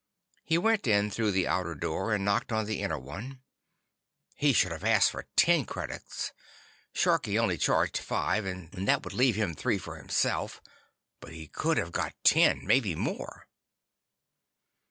He went in through the outer door and knocked on the inner one. He should have asked for ten credits. Sharkie only charged five, and that would leave him three for himself. But he could have got ten—maybe more.